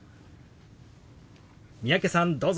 三宅さんどうぞ。